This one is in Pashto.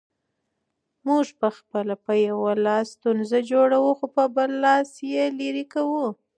موږ پخپله په یو لاس ستونزه جوړوو، خو په بل لاس یې لیري کوو